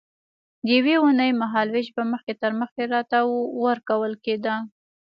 د یوې اوونۍ مهال وېش به مخکې تر مخکې راته ورکول کېده.